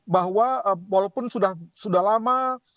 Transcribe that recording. bahwa walaupun sudah lama